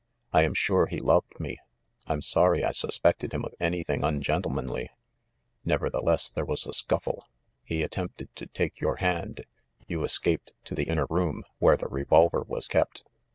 "I am sure he loved me ! I'm sorry I sus pected him of anything ungentlemanly !" "Nevertheless, there was a scuffle. He attempted to take your hand. You escaped to the inner room — where the revolver was kept."